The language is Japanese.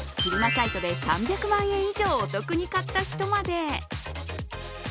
サイトで３００万円以上お得に買った人まで。